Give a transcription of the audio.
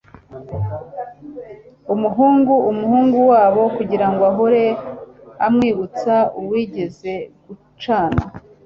umuhungu, umuhungu wabo, kugirango ahore amwibutsa uwigeze gucana